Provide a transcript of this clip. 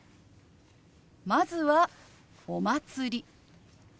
まずは「お祭り」。